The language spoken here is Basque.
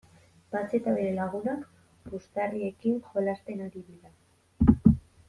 Patxi eta bere lagunak puxtarriekin jolasten ari dira.